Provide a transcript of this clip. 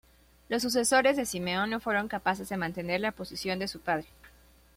Los sucesores de Simeón no fueron capaces de mantener la posición de su padre.